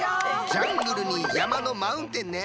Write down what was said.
ジャングルに山のマウンテンね。